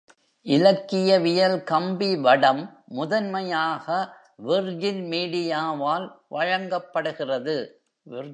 இலக்கவியல் கம்பி வடம் முதன்மையாக விர்ஜின் மீடியாவால் வழங்கப்படுகிறது.